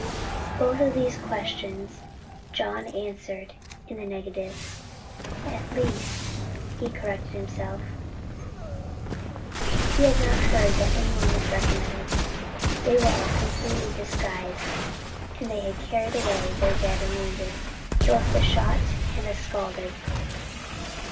Both of these questions John answered in the negative. "At least," he corrected himself, "he had not heard that any one was recognized: they were all completely disguised, and they had carried away their dead and wounded; both the shot and the scalded."